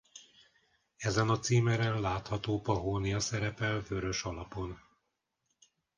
Ezen a címeren látható pahónia szerepel vörös alapon.